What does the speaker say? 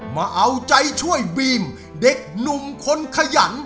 มาเอาใจช่วยบีมเด็กหนุ่มคนขยัน